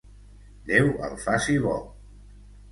Déu el faci bo.